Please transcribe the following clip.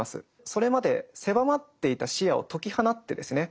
それまで狭まっていた視野を解き放ってですね